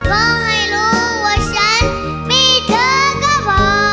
ขอให้รู้ว่าฉันมีเธอก็พอ